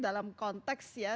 dalam konteks ya